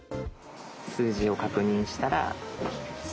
数字を確認したら次。